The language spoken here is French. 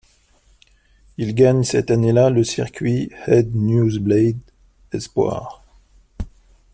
Il gagne cette année-là le Circuit Het Nieuwsblad espoirs.